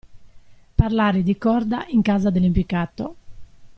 Parlare di corda in casa dell'impiccato.